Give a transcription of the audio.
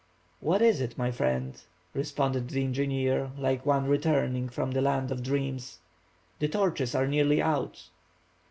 "What is it, my friend," responded the engineer, like one returning from the land of dreams. "The torches are nearly out."